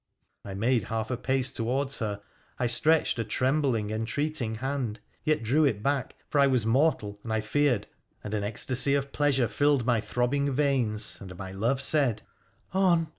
I made half a pace towards her, I stretched a trembling, entreating hand, yet drew it back, for I was mortal and I feared ; and an ecstasy of pleasure filled my throbbing veins, and my love said, ' On